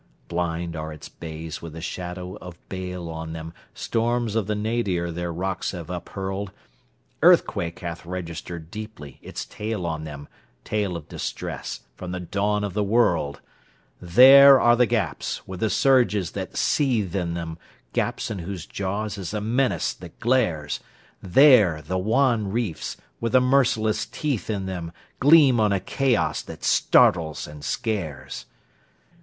Blind are its bays with the shadow of bale on them; Storms of the nadir their rocks have uphurled; Earthquake hath registered deeply its tale on them—Tale of distress from the dawn of the world! There are the gaps, with the surges that seethe in them—Gaps in whose jaws is a menace that glares! There the wan reefs, with the merciless teeth in them, Gleam on a chaos that startles and scares!